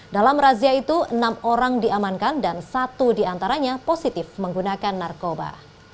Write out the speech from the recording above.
dalam razia itu enam orang diamankan dan satu diantaranya positif menggunakan narkoba